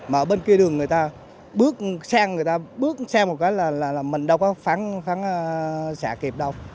mà ở bên kia đường người ta bước sang người ta bước sang một cái là mình đâu có phán xạ kịp đâu